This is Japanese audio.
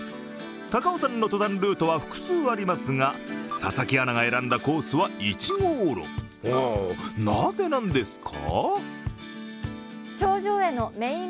高尾山の登山ルートは複数ありますが、佐々木アナが選んだコースは１号路なぜなんですか？